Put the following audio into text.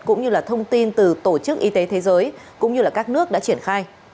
cũng như là thông tin từ tổ chức y tế thế giới cũng như các nước đã triển khai